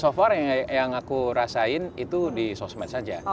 so far yang aku rasain itu di sosmed saja